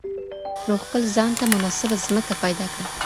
نو خپل ځان ته مناسبه ځمکه پیدا کړئ.